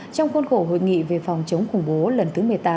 trong khuôn khổ hội nghị về phòng chống khủng bố lần thứ một mươi tám